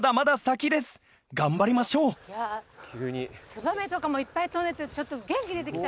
ツバメとかもいっぱい飛んでてちょっと元気出てきた。